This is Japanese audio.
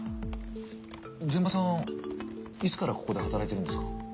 膳場さんいつからここで働いてるんですか？